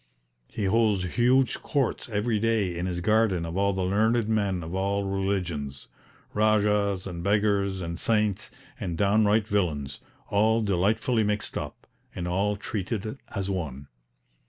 He holds huge courts every day in his garden of all the learned men of all religions Rajahs and beggars and saints and downright villains all delightfully mixed up, and all treated as one.